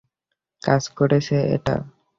কাজ করেছে এটা।